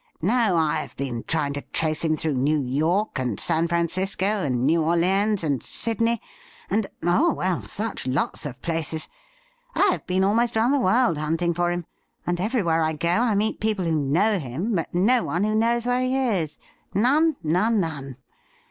No, I have been trying to trace him through New York, and San Francisco, and New Orleans, and Sydney, and — oh, well, such lots of places. I have been almost round the world hunting for him, and everywhere I go I meet people who know him, but no one who knows where he is. None, none, none